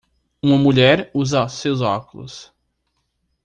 uma mulher usa seus óculos.